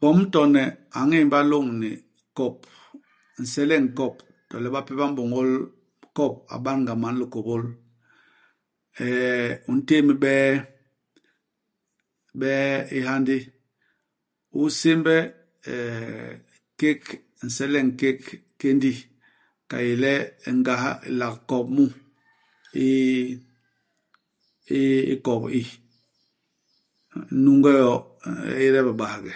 Pom-tone a ñémba loñni kop, nseleñ u kop, to le bape ba mbôñôl kop a ban-ga man likôbôl. Eeh u ntém bee, bee i hyandi ; u sémbe eeh kék, nseleñ u kék kéndi, ka i yé le ngas i lak kop mu i i ikop i. U nunge yo, u éde bibaghe.